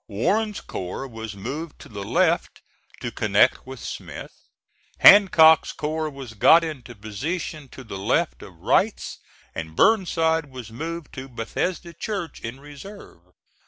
Warren's corps was moved to the left to connect with Smith: Hancock's corps was got into position to the left of Wright's, and Burnside was moved to Bethesda Church in reserve.